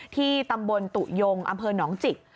ที่ตำบลตุยงอำเภอหนองจิก